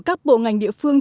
các bộ ngành địa phương